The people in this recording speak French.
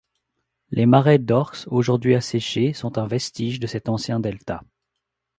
Les marais d'Orx, aujourd'hui asséchés, sont un vestige de cet ancien delta.